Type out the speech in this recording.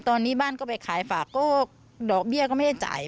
ตอนนี้บ้านก็ไปขายฝากก็ดอกเบี้ยก็ไม่ได้จ่าย